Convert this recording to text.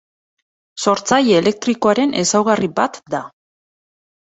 Sortzaile elektrikoaren ezaugarri bat da.